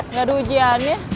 nggak ada ujiannya